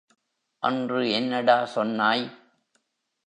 அன்று என்னடா சொன்னாய்?